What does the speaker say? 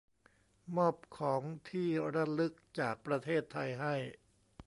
มอบของที่ระลึกจากประเทศไทยให้